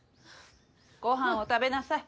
ご飯を食べなさい。